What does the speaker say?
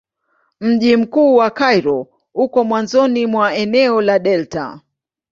Mji mkuu wa Kairo uko mwanzoni mwa eneo la delta.